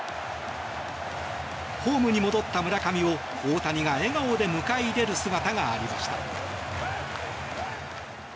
ホームに戻った村上を大谷が笑顔で迎え入れる姿がありました。